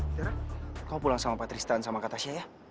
tiara kau pulang sama patristan sama kak tasya ya